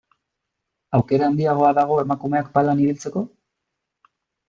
Aukera handiagoa dago emakumeak palan ibiltzeko?